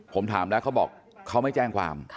ผมถามแล้วเขาบอกเขาไม่แจ้งความ